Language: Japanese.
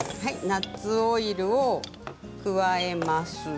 ナッツオイルを加えます。